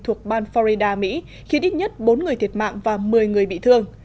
thuộc ban florida mỹ khiến ít nhất bốn người thiệt mạng và một mươi người bị thương